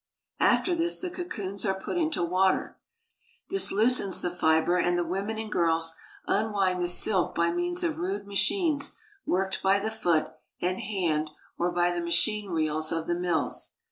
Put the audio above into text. After this the cocoons are put into water. This loosens the fiber, and the women and girls unwind the silk by means of rude machines worked by the foot and hand or by the machine reels of the mills.